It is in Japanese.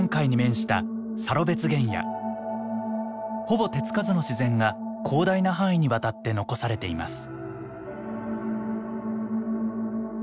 ほぼ手付かずの自然が広大な範囲にわたって残されています。